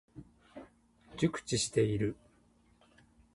熟知している。